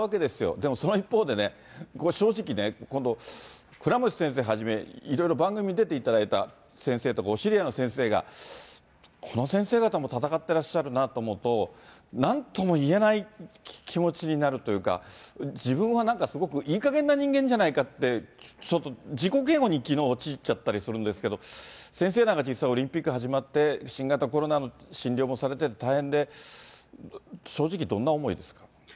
でもその一方で、正直ね、今度、倉持先生はじめ、いろいろ番組に出ていただいた先生とか、お知り合いの先生とかが、この先生方も闘ってらっしゃるなと思うと、なんともいえない気持ちになるというか、自分はなんかすごく、いいかげんな人間じゃないかって、ちょっと自己嫌悪にきのう、陥っちゃったりするんですけれども、先生なんか実際、オリンピック始まって、新型コロナの診療もされて大変で、正直、どんな思いですか。